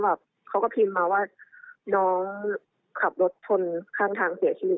เขาก็พิมพ์มาว่าน้องขับรถชนข้างทางเสียชีวิต